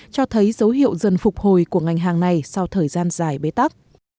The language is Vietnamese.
cho thấy dấu hiệu dần phục hồi của ngành hàng này sau thời gian dài bế tắc